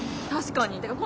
確かに。